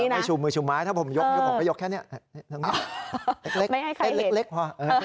ให้ชูมือชูม้ายถ้าผมยกผมก็ยกแค่เนี่ยเล็กพอ